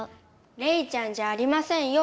レイちゃんじゃありませんよ。